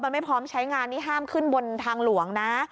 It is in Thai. มันไม่พร้อมใช้งานนี่ห้ามขึ้นบนทางหลวงนะ